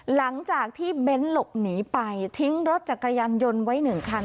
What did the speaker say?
หลังจากที่เบ้นหลบหนีไปทิ้งรถจักรยานยนต์ไว้หนึ่งคัน